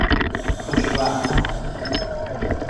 خوش وعده